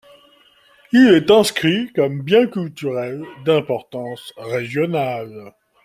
Il est inscrit comme bien culturel d'importance régionale.